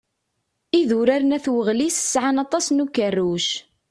Idurar n At Weɣlis sɛan aṭas n ukerruc.